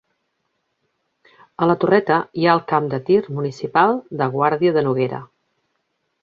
A la Torreta hi ha el Camp de tir municipal de Guàrdia de Noguera.